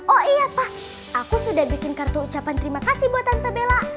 oh iya pak aku sudah bikin kartu ucapan terima kasih buat tante bella